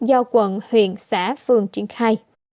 do quận huyện xã phường triển khai